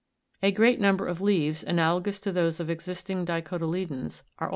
A great number of leaves, analogous to those of existing dicoty'ledons, are also found.